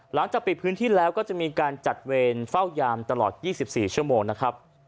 หลังจากปิดพื้นที่แล้วก็จะมีการจัดเวรเฝ้ายามตลอด๒๔ชั่วโมงนะครับ